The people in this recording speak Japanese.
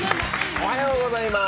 おはようございます。